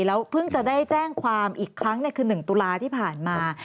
แล้วเพิ่งจะได้แจ้งความอีกครั้งคือ๑ตุลาที่ผ่านมา